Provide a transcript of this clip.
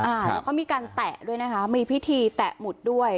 อ่าแล้วก็มีการแตะด้วยนะคะมีพิธีแตะหมุดด้วย